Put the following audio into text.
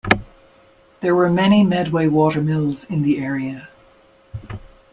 There were many Medway watermills in the area.